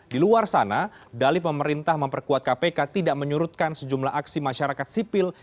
di luar sana dali pemerintah memperkuat kpk tidak menyurutkan sejumlah aksi masyarakat sipil